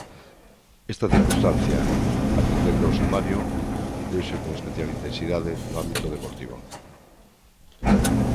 Esta circunstancia, atendendo ao sumario, deuse con especial intensidade no ámbito deportivo.